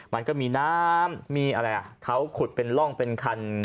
มันก็มีน้ำมีอะไรเขาขุดเป็นร่องเป็นคัน